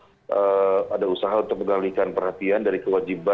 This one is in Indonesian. atau atau ada usaha untuk mengalihkan perhatian dari kewajiban